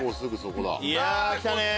いや来たね！